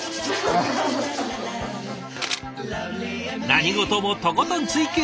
何事もとことん追求。